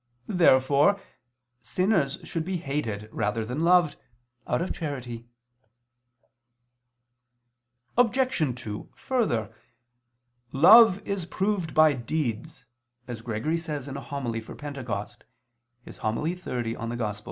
Therefore sinners should be hated rather than loved, out of charity. Obj. 2: Further, "love is proved by deeds" as Gregory says in a homily for Pentecost (In Evang. xxx).